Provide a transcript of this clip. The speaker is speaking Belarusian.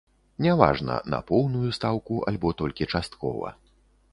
Няважна, на поўную стаўку альбо толькі часткова.